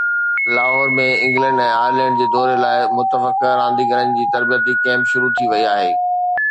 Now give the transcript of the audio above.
Lahore ۾ England ۽ Ireland جي دوري لاءِ متوقع رانديگرن جي تربيتي ڪيمپ شروع ٿي وئي آهي